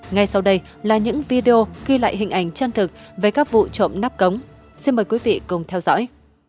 ngay sau đây là những video ghi lại hình ảnh chân thực về các vụ trộm nắp cống xin mời quý vị cùng theo dõi